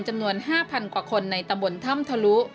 จำนวน๕๐๐กว่าคนในตำบลถ้ำทะลุ